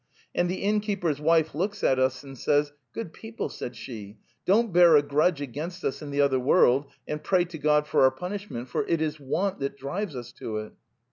... And the innkeeper's wife looks at us and says: 'Good people,' said she, 'don't bear a grudge against us in the other world and pray to God for our punish ment, for it is want that drives us to it.